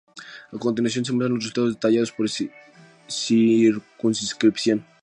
A continuación se muestran los resultados detallados por circunscripción.